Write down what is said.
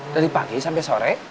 dari pagi sampai sore